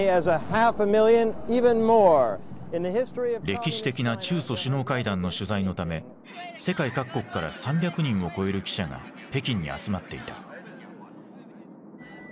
歴史的な中ソ首脳会談の取材のため世界各国から３００人を超える記者が北京に集まっていた。